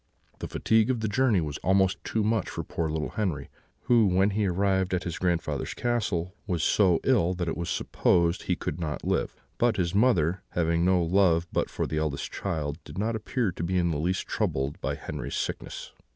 The fatigue of the journey was almost too much for poor little Henri, who, when he arrived at his grandfather's castle, was so ill that it was supposed he could not live; but his mother, having no love but for the eldest child, did not appear to be in the least troubled by Henri's sickness.